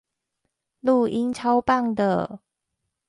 錄音超棒的